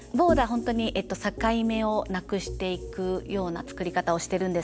本当に境目をなくしていくような作り方をしてるんですけど。